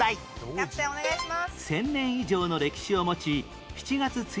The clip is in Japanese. キャプテンお願いします。